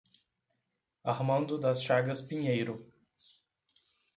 Armando Das Chagas Pinheiro